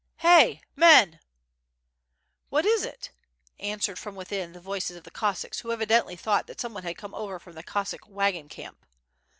"Hey! Men!" "What is it?" answered from within the voices of the Cos sacks who evidently thought that some one had come over from the Cossack wagon camp.